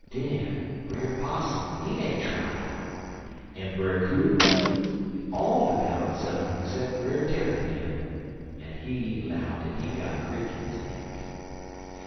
"Den Brer Possum he make triul, en Brer Coon, en all de balance un um 'cep' Brer Tarrypin, en he 'low dat he got a crick in his neck.